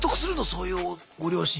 そういうご両親を。